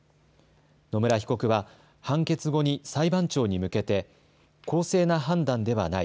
野村被告は判決後に裁判長に向けて公正な判断ではない。